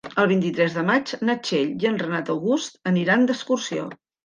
El vint-i-tres de maig na Txell i en Renat August aniré d'excursió.